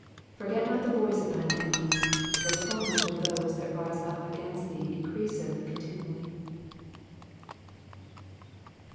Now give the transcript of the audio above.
23 Forget not the voice of thine enemies : the tumult of those that rise up against thee increaseth continually.